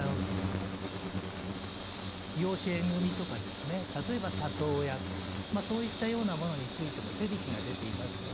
養子縁組とか、例えば里親とそういったようなものについても手引きが出ています。